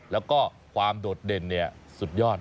แล้วก็ความโดดเด่นสุดยอด